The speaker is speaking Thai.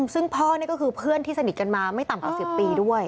ซึ่งพ่อนี่ก็คือเพื่อนที่สนิทกันมาไม่ต่ำกว่า๑๐ปีด้วย